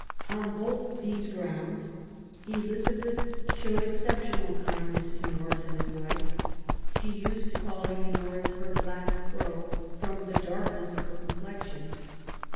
On both these grounds Elizabeth showed exceptional kindness to Norris and his wife. She used to call Lady Norris her black crow," from the darkness of her complexion.